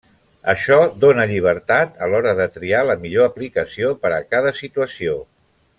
Això dóna llibertat a l'hora de triar la millor aplicació per a cada situació.